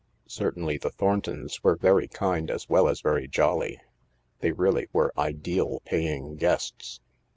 Cer tainly the Thorntons were very kind as well as very jolly. They really were ideal paying guests.